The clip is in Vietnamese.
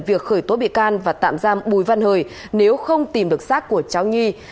việc khởi tố bị can và tạm giam bùi văn hời nếu không tìm được sát của cháu nhi